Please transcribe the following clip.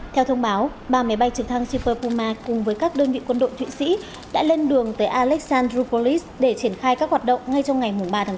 theo thông báo ba máy bay trực thăng super puma cùng với các đơn vị quân đội thụy sĩ đã lên đường tới alexandropolis để triển khai các hoạt động ngay trong ngày ba tháng bốn